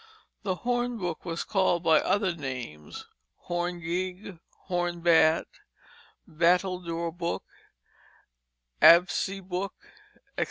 The hornbook was called by other names, horn gig, horn bat, battledore book, absey book, etc.